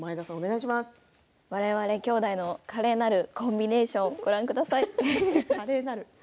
我々きょうだいの華麗なるコンビネーションをご覧ください。